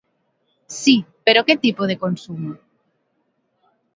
Si, pero que tipo de consumo?